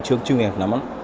chưa chuyên nghiệp lắm